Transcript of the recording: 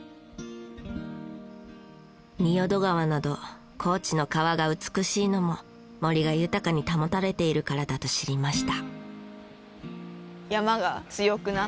仁淀川など高知の川が美しいのも森が豊かに保たれているからだと知りました。